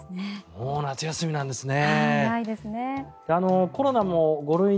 もう夏休みなんですね。